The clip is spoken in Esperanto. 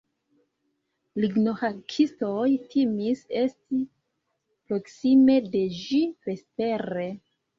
Lignohakistoj timis esti proksime de ĝi vespere.